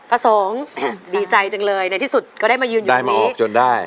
ป้าสงครับดีใจจังเลยในที่สุดก็ได้มายืนอยู่นี้ได้มาออกจนได้